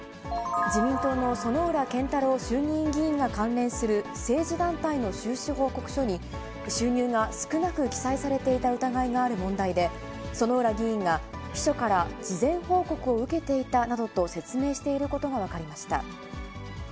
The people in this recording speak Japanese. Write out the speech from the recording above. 自民党の薗浦健太郎衆議院議員が関連する政治団体の収支報告書に、収入が少なく記載されていた疑いがある問題で、薗浦議員が、秘書から事前報告を受けていたなどと説明していることが分かりました。